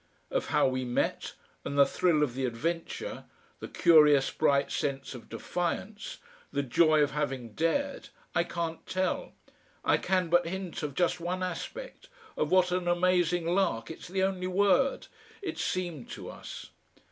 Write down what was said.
Of how we met, and the thrill of the adventure, the curious bright sense of defiance, the joy of having dared, I can't tell I can but hint of just one aspect, of what an amazing LARK it's the only word it seemed to us.